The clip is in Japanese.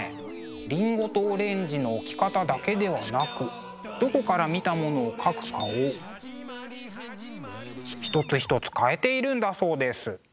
りんごとオレンジの置き方だけではなくどこから見たものを描くかを一つ一つ変えているんだそうです。